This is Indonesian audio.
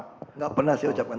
tidak pernah saya ucapkan